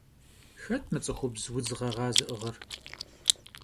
Xet mı ts'ıxubz vudz ğeğa zı'ığır?